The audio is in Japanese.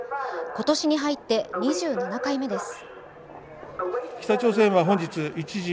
今年に入って２７回目です。